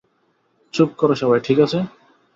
চুপ করো সবাই, ঠিক আছে?